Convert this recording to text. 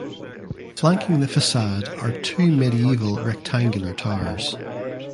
Flanking the facade are two medieval rectangular towers.